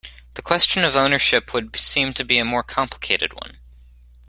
The question of ownership would seem to be a more complicated one.